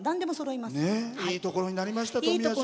いいとこになりました。